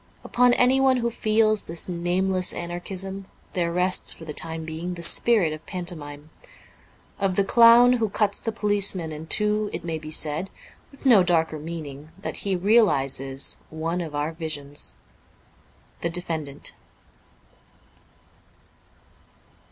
Upon anyone who feels this nameless anarchism there rests for the time being the spirit of panto mime. Of the clown who cuts the policeman in two it may be said (with no darker meaning) that he realizes one of our visions. ' The Defendant.''